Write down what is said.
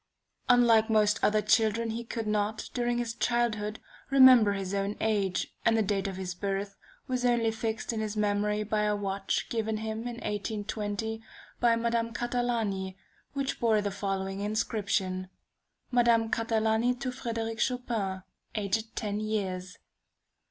Unlike most other children, he could not, during his childhood, remember his own age, and the date of his birth was only fixed in his memory by a watch given him in 1820 by Madame Catalani, which bore the following inscription: "Madame Catalani to Frederic Chopin, aged ten years."